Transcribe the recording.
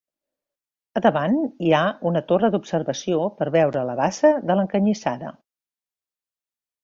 Al davant hi ha una torre d'observació per veure la bassa de l'Encanyissada.